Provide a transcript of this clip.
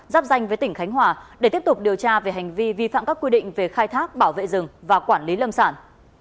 giáp danh với tỉnh khánh hòa để tiếp tục điều tra về hành vi vi phạm các quy định về khai thác bảo vệ rừng và quản lý lâm sản